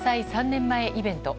３年前イベント。